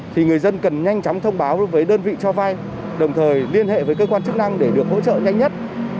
thì người dân cần nhanh chóng thông báo với đơn vị cho vai đồng thời liên hệ với cơ quan chức năng để được hỗ trợ nhanh nhất